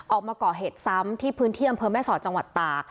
ออกมาก่อเหตุซ้ำที่พื้นเที่ยมเมษอจังหวัดตา